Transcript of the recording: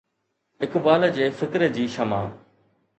اقبال جي فڪر جي شمع